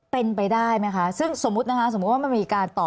เป็นไปได้ไหมคะซึ่งสมมุตินะคะสมมุติว่ามันมีการต่อ